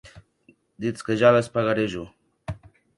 Ditz que ja les pagarè jo.